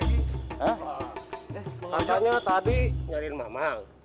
masanya tadi nyariin mamang